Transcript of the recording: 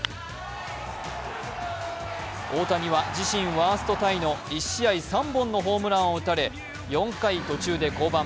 大谷は自身ワーストタイの１試合３本のホームランを打たれ４回途中で降板。